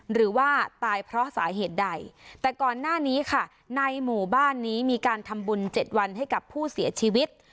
หรือว่าตายเพราะสาเหตุใดแต่ก่อนหน้านี้ค่ะในหมู่บ้านนี้มีการทำบุญเจ็ดวันให้กับผู้เสียชีวิต